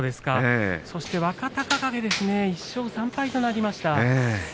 そして若隆景１勝３敗となりました。